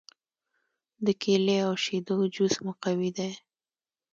د کیلې او شیدو جوس مقوي دی.